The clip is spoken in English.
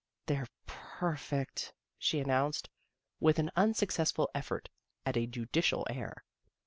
" They're perfect," she announced, with an unsuccessful effort at a judicial air.